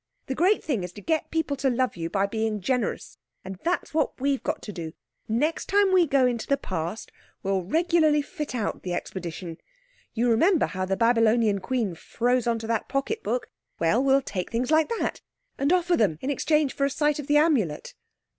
The great thing is to get people to love you by being generous. And that's what we've got to do. Next time we go into the Past we'll regularly fit out the expedition. You remember how the Babylonian Queen froze on to that pocket book? Well, we'll take things like that. And offer them in exchange for a sight of the Amulet."